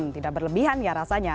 tidak berlebihan ya rasanya